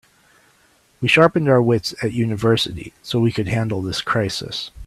We sharpened our wits at university so we could handle this crisis.